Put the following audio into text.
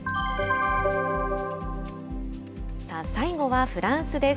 最後はフランスです。